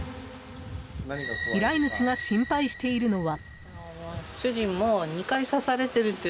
依頼主が心配しているのは。